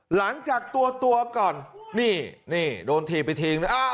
หลังจากตัวก่อนนี่โดนถีบไปแล้วนะครับ